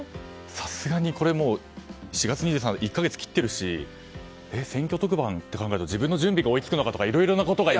さすがにこれ、４月２３日って１か月切っているし選挙特番って考えると自分の準備が追いつくのかとかいろいろなことが。